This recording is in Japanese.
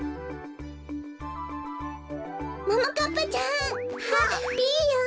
ももかっぱちゃん！あっピーヨン！